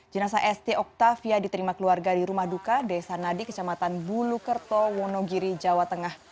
jenasa esti oktavia diterima keluarga di rumah duka desa nadi kecamatan bulukerto wonogiri jawa tengah